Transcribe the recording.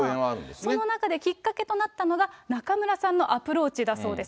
その中で、きっかけとなったのが、中村さんのアプローチだそうです。